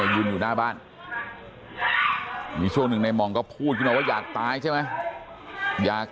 ยืนอยู่หน้าบ้านมีช่วงหนึ่งในหม่องก็พูดขึ้นมาว่าอยากตายใช่ไหมอยาก